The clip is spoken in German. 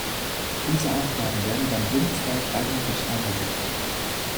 Diese Aufgaben werden dann bundesweit einheitlich eingesetzt.